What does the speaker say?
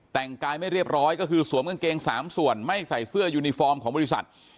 แต่งกายไม่เรียบร้อยก็คือสวมกางเกง๓ส่วนไม่ใส่เสื้อยูนิฟอร์มของบริษัท